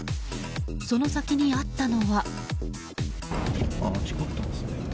その先にあったのは。